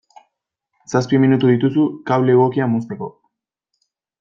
Zazpi minutu dituzu kable egokia mozteko.